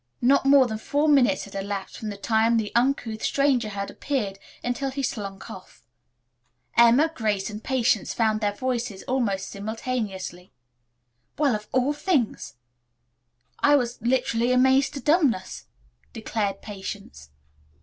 Not more than four minutes had elapsed from the time the uncouth stranger had appeared until he slunk off. Emma, Grace and Patience found their voices almost simultaneously. "Well, of all things!" exclaimed Emma. "I was literally amazed to dumbness," declared Patience.